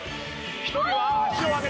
１人は脚を上げて。